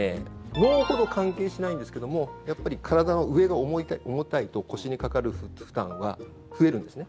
脳ほど関係しないんですけどもやっぱり体の上が重たいと腰にかかる負担は増えるんですね。